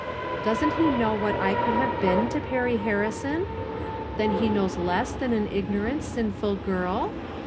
Doesn't he know what I could have been to Perry Harrison? Then he knows less than an ignorant, sinful girl